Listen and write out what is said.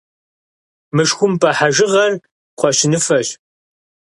Мышхумпӏэ хьэжыгъэр кхъуэщыныфэщ.